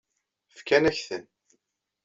Fkan-ak-ten.